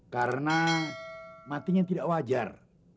karena matinya tidak wajar